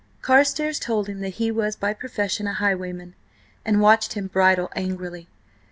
Carstares told him that he was by profession a highwayman, and watched him bridle angrily.